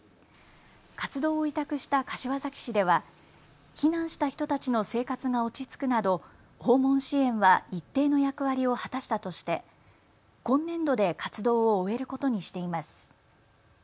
活動を委託した柏崎市では避難した人たちの生活が落ち着くなど訪問支援は一定の役割を果たしたとして今年度で活動を終えることにしています。